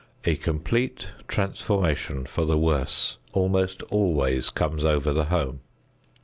A complete transformation for the worse almost always comes over the home.